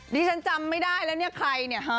ดิฉันจำไม่ได้แล้วเนี่ยใครเนี่ย